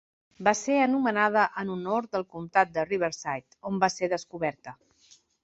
Va ser anomenada en honor del comtat de Riverside, on va ser descoberta.